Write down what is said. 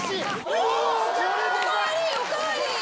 お代わり、お代わり！